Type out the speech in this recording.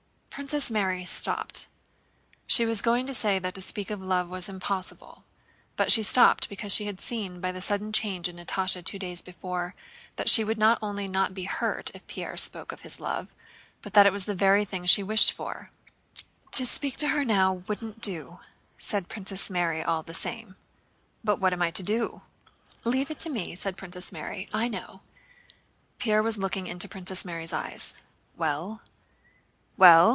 Princess Mary stopped. She was going to say that to speak of love was impossible, but she stopped because she had seen by the sudden change in Natásha two days before that she would not only not be hurt if Pierre spoke of his love, but that it was the very thing she wished for. "To speak to her now wouldn't do," said the princess all the same. "But what am I to do?" "Leave it to me," said Princess Mary. "I know..." Pierre was looking into Princess Mary's eyes. "Well?... Well?..."